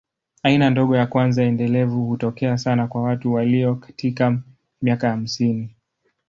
Aina ndogo ya kwanza endelevu hutokea sana kwa watu walio katika miaka ya hamsini.